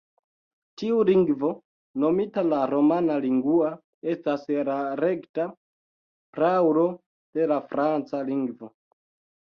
Tiu lingvo, nomita la "romana lingua", estas la rekta praulo de la franca lingvo.